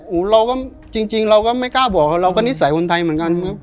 เราก็จริงเราก็ไม่กล้าบอกเราก็นิสัยคนไทยเหมือนกันครับ